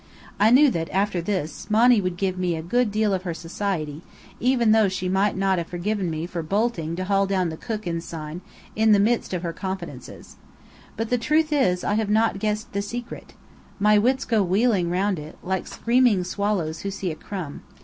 I knew that, after this, Monny would give me a good deal of her society, even though she might not have forgiven me for bolting to haul down the Cook ensign, in the midst of her confidences. But in truth I have not guessed the secret! My wits go wheeling round it, like screaming swallows who see a crumb.